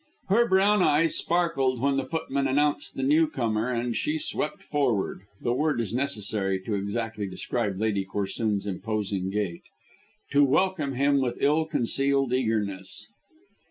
Her brown eyes sparkled when the footman announced the newcomer, and she swept forward the word is necessary to exactly describe Lady Corsoon's imposing gait to welcome him with ill concealed eagerness.